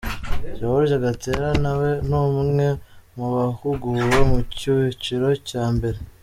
George Gatera na we ni umwe mu bahuguwe mu cyiciro cya mbere.